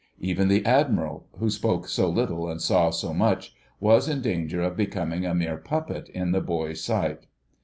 Even the Admiral, who spoke so little and saw so much, was in danger of becoming a mere puppet in the boy's sight.